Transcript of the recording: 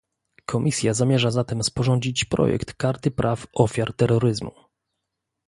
Komisja zamierza zatem sporządzić projekt karty praw ofiar terroryzmu